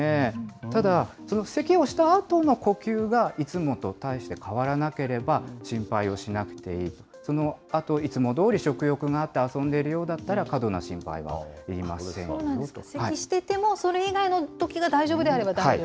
ただ、せきをしたあとの呼吸がいつもと大して変わらなければ、心配をしなくていい、そのあといつもどおり食欲があって遊んでいるようだったら、過度な心配はいりそうなんですか、せきしてても、それ以外のときが大丈夫であれば、大丈夫。